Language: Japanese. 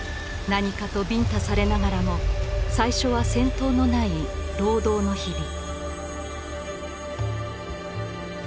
何かとビンタされながらも最初は戦闘のない労働の日々。